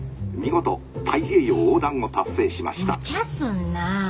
見事太平洋横断を達成しました」。